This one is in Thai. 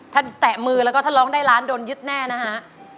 ถ้าแตะมือแล้วก็ถ้าร้องได้ล้านโดนยึดแน่นะฮะ